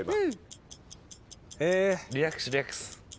リラックスリラックス。